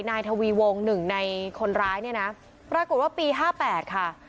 นายทวีวงหนึ่งในคนร้ายเนี่ยนะปรากฏว่าปี๕๘ค่ะ